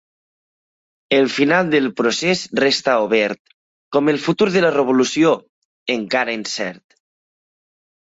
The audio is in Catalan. El final del procés resta obert, com el futur de la revolució, encara incert.